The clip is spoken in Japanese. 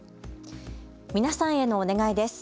皆さんへのお願いです。